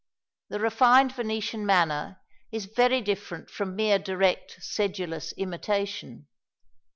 The refined Venetian manner is very different from mere direct, sedulous imitation.